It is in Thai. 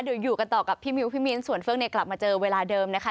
เดี๋ยวอยู่กันต่อกับพี่มิวพี่มิ้นส่วนเฟื่องในกลับมาเจอเวลาเดิมนะคะ